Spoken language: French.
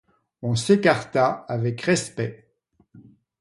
On s'écarta avec respect.